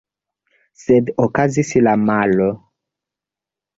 Sed okazis la malo.